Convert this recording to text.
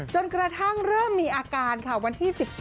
จนกระทั่งเริ่มมีอาการค่ะวันที่๑๔